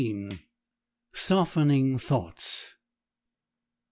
SOFTENING THOUGHTS.